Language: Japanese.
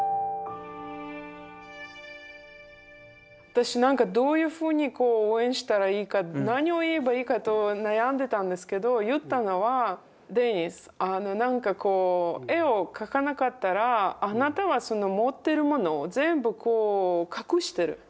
私なんかどういうふうにこう応援したらいいか何を言えばいいかと悩んでたんですけど言ったのはデニスなんかこう絵を描かなかったらあなたはその持ってるものを全部こう隠してる人に見せない。